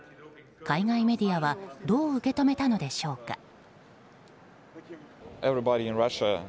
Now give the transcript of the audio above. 海外メディアはどう受け止めたのでしょうか。